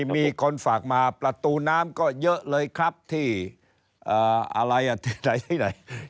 มีคนฝากมาประตูน้ำก็เยอะเลยครับที่อะไรอ่ะที่ไหนที่ไหน